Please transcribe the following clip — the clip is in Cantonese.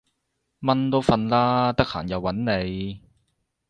蚊都瞓喇，得閒又搵你